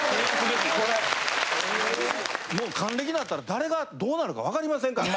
もう還暦になったら誰がどうなるか分かりませんからね。